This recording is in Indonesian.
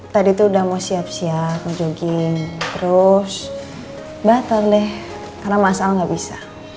tadi tuh udah mau siap siap jogging terus batal deh karena mas al gak bisa